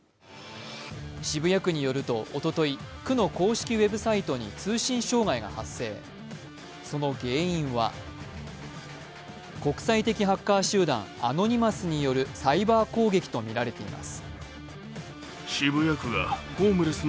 渋谷区によるとおととい、区の公式ウェブサイトに通信障害が発生、その原因は国際的ハッカー集団アノニマスによるサイバー攻撃とみられています。